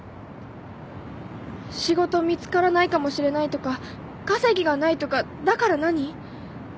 仕事見つからないかもしれないとか稼ぎがないとかだから何？